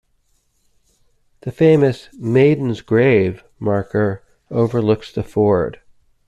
The famous "Maiden's Grave" marker overlooks the ford.